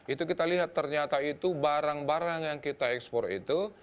itu kita lihat ternyata itu barang barang yang kita ekspor itu